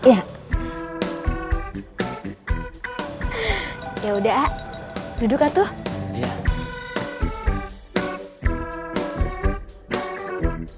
ya udah duduk atuh